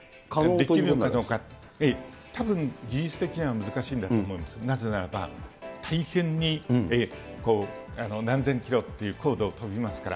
できるのかどうか、たぶん技術的には難しいんだと思うんですね、なぜならば大変に何千キロっていう高度を飛びますから。